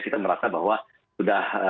kita merasa bahwa sudah